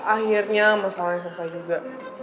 akhirnya masalahnya selesai juga